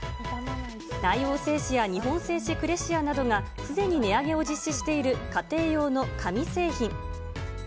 大王製紙や日本製紙クレシアなどがすでに値上げを実施している家庭用の紙製品。